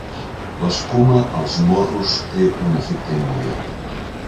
L'escuma als morros té un efecte immediat.